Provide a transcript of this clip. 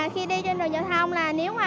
khi đi trên đường giao thông là nếu mà